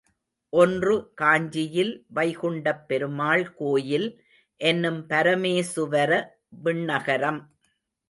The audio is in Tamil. ஒன்று காஞ்சியில் வைகுண்டப் பெருமாள் கோயில் என்னும் பரமேசுவர விண்ணகரம்.